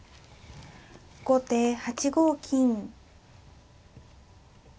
後手８五金。